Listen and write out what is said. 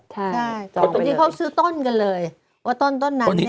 ใช่จองไปเลยเดี๋ยวเขาซื้อต้นกันเลยว่าต้นต้นนั้นเนี่ย